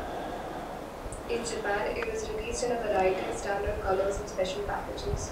In Japan it was released in a variety of standard colors and special packages.